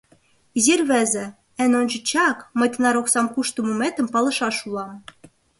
— Изи рвезе, эн ончычак мый тынар оксам кушто муметым палышаш улам.